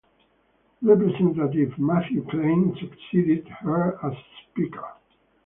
Representative Matthew Klein succeeded her as speaker.